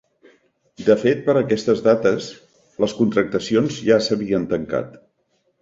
De fet, per aquestes dates, les contractacions ja s’havien tancat.